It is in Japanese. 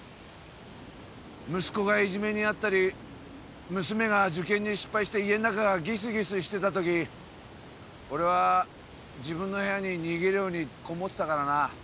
息子がいじめに遭ったり娘が受験に失敗して家ん中がギスギスしてた時俺は自分の部屋に逃げるように籠もってたからな